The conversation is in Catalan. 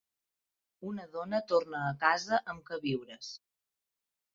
Una dona torna a casa amb queviures.